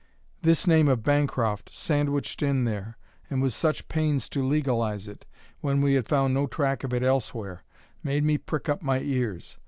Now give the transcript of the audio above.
This name of Bancroft, sandwiched in there, and with such pains to legalize it, when we had found no track of it elsewhere, made me prick up my ears.